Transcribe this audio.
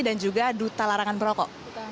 dan juga duta larangan berloko